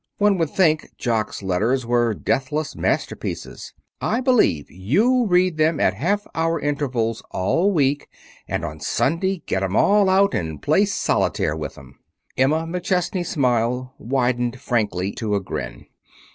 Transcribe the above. One would think Jock's letters were deathless masterpieces. I believe you read them at half hour intervals all week, and on Sunday get 'em all out and play solitaire with them." Emma McChesney's smile widened frankly to a grin.